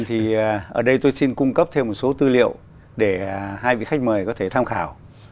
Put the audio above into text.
thì ở đây tôi xin cung cấp thêm một số tư liệu để hai vị khách mời có thể tham khảo